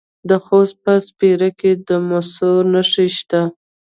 د خوست په سپیره کې د مسو نښې شته.